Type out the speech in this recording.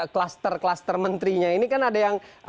kluster kluster menterinya ini kan ada yang